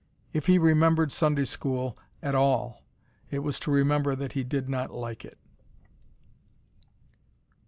If he remembered Sunday school at all, it was to remember that he did not like it.